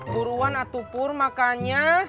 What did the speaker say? pur pur pur makanya